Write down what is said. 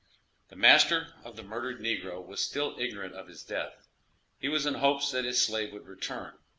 The master of the murdered negro was still ignorant of his death; he was in hopes that his slave would return.